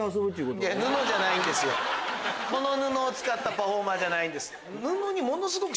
この布を使ったパフォーマーじゃない。